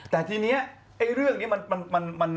แต่ทีนี้ไอ้เรื่องนี้มัน